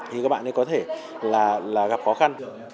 thì các bạn ấy có thể là gặp khó khăn